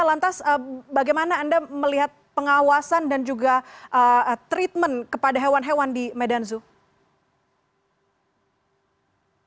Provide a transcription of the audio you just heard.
lantas bagaimana anda melihat pengawasan dan juga treatment kepada hewan hewan di medan zoo